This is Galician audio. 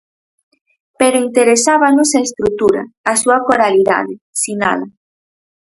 Pero interesábanos a estrutura, a súa coralidade, sinala.